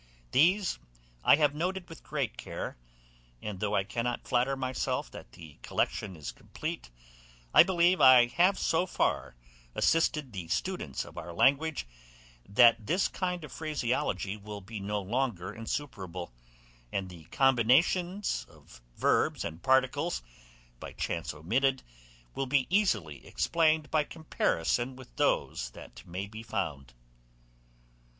These I have noted with great care; and though I cannot flatter myself that the collection is complete, I believe I have so far assisted the students of our language, that this kind of phraseology will be no longer insuperable; and the combinations of verbs and particles, by chance omitted, will be easily explained by comparison with those that may be found.